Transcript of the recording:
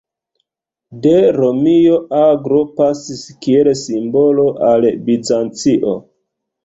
De Romio aglo pasis kiel simbolo al Bizancio.